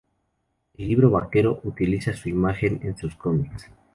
El Libro Vaquero utiliza su imagen en sus comics.